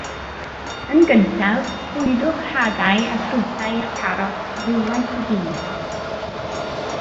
Yn gyntaf bwydwch hadau a ffrwythau i'ch parot ddwywaith y dydd.